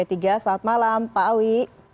selamat malam pak awi